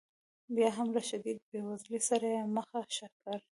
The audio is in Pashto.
بیا هم له شدیدې بې وزلۍ سره یې مخه ښه کړې.